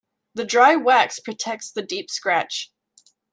The dry wax protects the deep scratch.